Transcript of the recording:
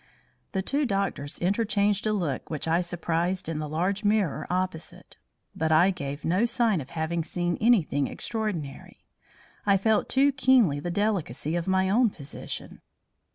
The two doctors interchanged a look which I surprised in the large mirror opposite. But I gave no sign of having seen anything extraordinary. I felt too keenly the delicacy of my own position.